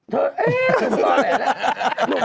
เธอเอ๊ะตอนไหนแล้ว